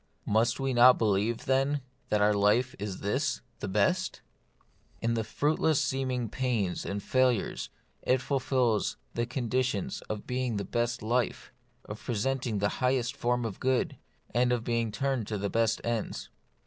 Must we not believe, then, that our life is this : the best ? In its fruitless seeming pains and failures, it fulfils the conditions of being the best life, of presenting the highest form of good, and of being turned to the best ends.